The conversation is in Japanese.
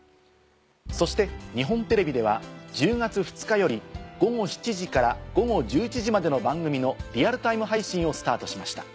そして日本テレビでは１０月２日より午後７時から午後１１時までの番組のリアルタイム配信をスタートしました。